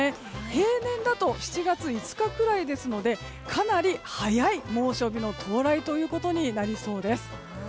平年だと７月５日くらいですのでかなり早い猛暑日の到来となりそうです。